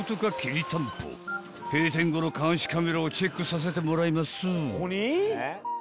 ［閉店後の監視カメラをチェックさせてもらいます］